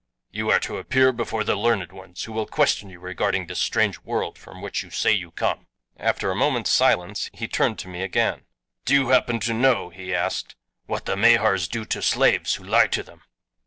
"You are to appear before the learned ones who will question you regarding this strange world from which you say you come." After a moment's silence he turned to me again. "Do you happen to know," he asked, "what the Mahars do to slaves who lie to them?"